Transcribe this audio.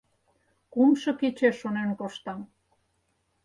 — Кумшо кече шонен коштам.